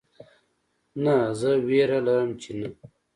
نه زه ویره لرم چې نه